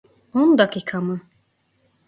On dakika mı?